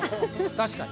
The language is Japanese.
確かに。